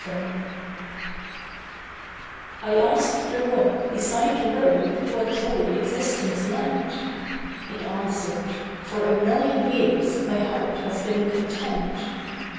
THE SPUR I asked the rock beside the road what joy existence lent. It answered, 'For a million years my heart has been content.